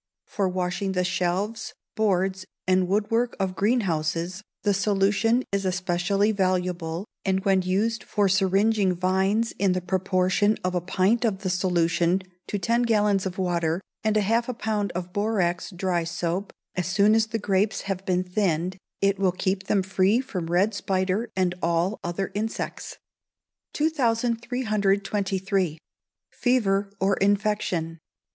For washing the shelves, boards, and woodwork of greenhouses, the solution is especially valuable, and when used for syringing vines in the proportion of a pint of the solution to ten gallons of water, and half a pound of borax dry soap, as soon as the grapes have been thinned, it will keep them free from red spider and all other insects. 2323. Fever or Infection.